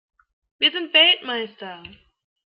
Wir sind Weltmeister!